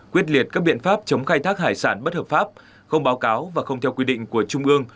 quyết liệt các biện pháp chống khai thác hải sản bất hợp pháp không báo cáo và không theo quy định của trung ương